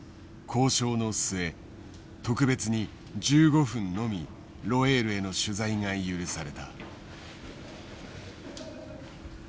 交渉の末特別に１５分のみロェールへの取材が許された。